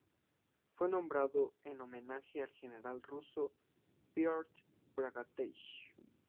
Fue nombrado en homenaje al general ruso Piotr Bagratión.